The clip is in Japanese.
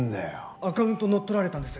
アカウント乗っ取られたんです。